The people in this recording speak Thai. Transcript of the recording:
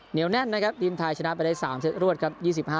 เหนียวแน่นนะครับทีมไทยชนะไปได้๓เซตรวดครับ